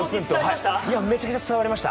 めちゃめちゃ伝わりました。